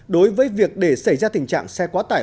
đối với việc để xảy ra tình trạng xe quá tải